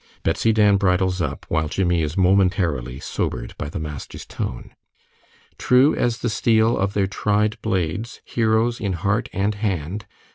Betsy Dan bridles up, while Jimmie is momentarily sobered by the master's tone. "True as the steel of their tried blades, Heroes in heart and hand.